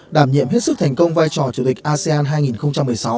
đảm nhiệm hết sức thành công vai trò chủ tịch asean hai nghìn một mươi sáu